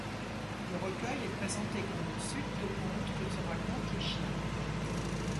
Le recueil est présenté comme une suite de contes que se racontent les chiens.